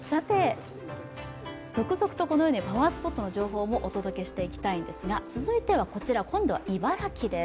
続々とパワースポットの情報もお届けしていきたいんですが、続いてはこちら今度は茨城です。